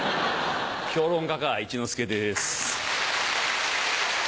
評論家か一之輔です。